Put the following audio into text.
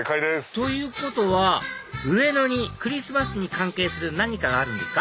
ということは上野にクリスマスに関係する何かがあるんですか？